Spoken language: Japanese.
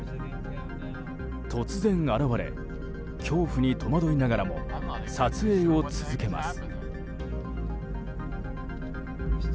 突然現れ、恐怖に戸惑いながらも撮影を続けます。